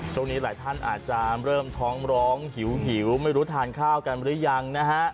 ช่วงนี้หลายท่านอาจจะเริ่มท้องร้องหิวไม่รู้ทานข้าวกันหรือยังนะฮะ